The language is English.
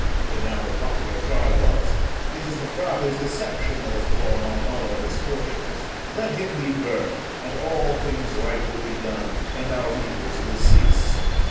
For now the popular cry was, "It is the Frate's deception that has brought on all our misfortunes; let him be burned, and all things right will be done, and our evils will cease."